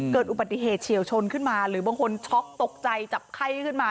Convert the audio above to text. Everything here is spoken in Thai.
เกิดอุบัติเหตุเฉียวชนขึ้นมาหรือบางคนช็อกตกใจจับไข้ขึ้นมา